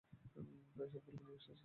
তাই সবগুলোই নিয়ে এসেছি।